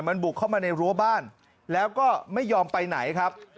มันบุกเข้ามาในรั้วบ้านแล้วก็ไม่ยอมไปไหนครับ